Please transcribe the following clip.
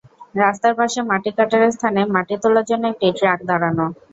রাস্তার পাশে মাটি কাটার স্থানে মাটি তোলার জন্য একটি ট্রাক দাঁড়ানো।